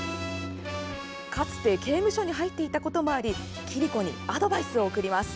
かつて刑務所に入っていたこともあり桐子にアドバイスを送ります。